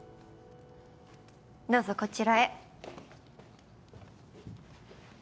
どうぞこちらへ。